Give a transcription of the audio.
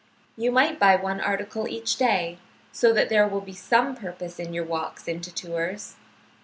You might buy one article each day, so that there will be some purpose in your walks into Tours.